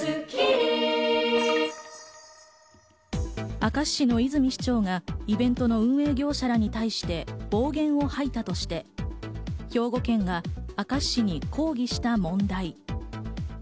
明石市の泉市長が、イベントの運営業者らに対して暴言を吐いたとして、兵庫県が明石市に抗議した問題。